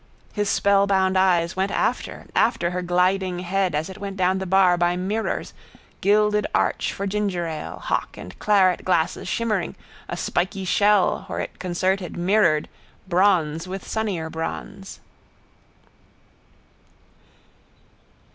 His spellbound eyes went after, after her gliding head as it went down the bar by mirrors, gilded arch for ginger ale, hock and claret glasses shimmering, a spiky shell, where it concerted, mirrored, bronze with sunnier bronze.